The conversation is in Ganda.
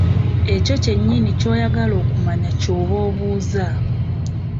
Ekyo kyennyini ky’oyagala okumanya ky’oba obuuza.